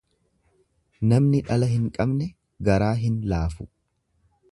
Namni dhala hin qabne garaa hin laafu.